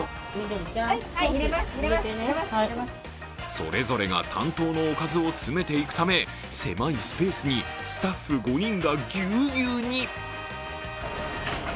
それぞれが担当のおかずを詰めていくため、狭いスペースにスタッフ５人がぎゅうぎゅうに。